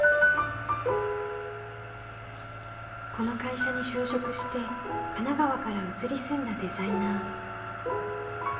この会社に就職して神奈川から移り住んだデザイナー。